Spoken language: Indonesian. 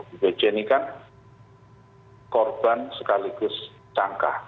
ibu pc ini kan korban sekaligus cangkah